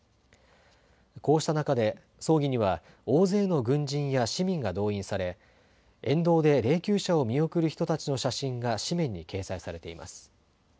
こうした中で葬儀には大勢の軍人や市民が動員され沿道で霊きゅう車を見送る人たちの写真が紙面に掲載されています。